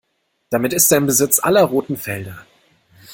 Damit ist er in Besitz aller roten Felder.